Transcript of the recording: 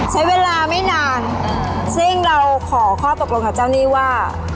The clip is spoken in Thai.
ใช้เวลาไม่นานซึ่งเราขอข้อปกรณ์ของเจ้านี่ว่า